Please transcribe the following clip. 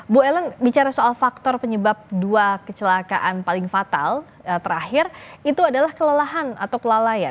bu ellen bicara soal faktor penyebab dua kecelakaan paling fatal terakhir itu adalah kelelahan atau kelalaian